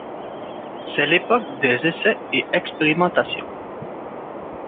C’est l’époque des essais et expérimentations.